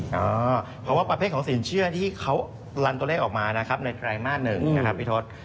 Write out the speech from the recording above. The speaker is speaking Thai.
เพราะว่าประเภทของสินเชื่อที่เขาลันตัวเลขออกมานะครับในไตรมาส๑นะครับพี่ทศ